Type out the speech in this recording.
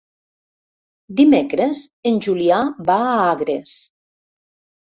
Dimecres en Julià va a Agres.